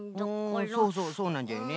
うんそうそうそうなんじゃよね。